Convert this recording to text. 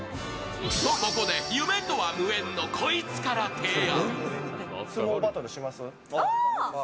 とここで、夢とは無縁のこいつから提案。